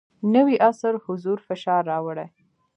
نوی عصر حضور فشار راوړی.